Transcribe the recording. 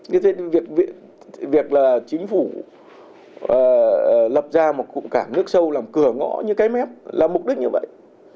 như thế việc là chính phủ lập ra một cụm cảng nước sâu làm cửa ngõ như cái mép là mục đích như vậy